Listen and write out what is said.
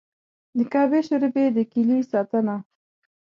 د کعبې شریفې د کیلي ساتنه.